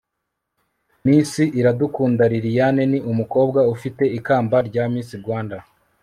miss iradukunda liliane ni umukobwa ufite ikamba rya miss rwanda